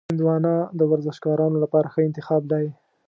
هندوانه د ورزشکارانو لپاره ښه انتخاب دی.